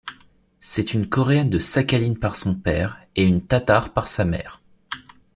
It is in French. C'est une Coréenne de Sakhaline par son père et une Tatare par sa mère.